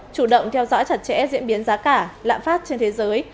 chủ động theo dõi chặt chẽ diễn biến giá cả lạm phát trên thế giới